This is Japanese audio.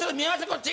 こっち。